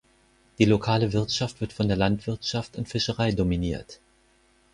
Die lokale Wirtschaft wird von der Landwirtschaft und Fischerei dominiert.